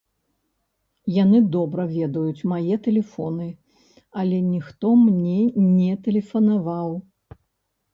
Яны добра ведаюць мае тэлефоны, але ніхто мне не тэлефанаваў.